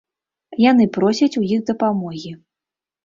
Яны просяць у іх дапамогі.